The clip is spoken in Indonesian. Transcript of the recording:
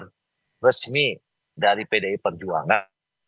dan resmi dari pdip perjuangan